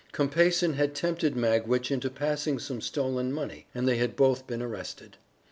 Compeyson had tempted Magwitch into passing some stolen money and they had both been arrested.